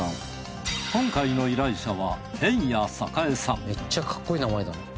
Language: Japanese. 今回の依頼者はめっちゃかっこいい名前だな。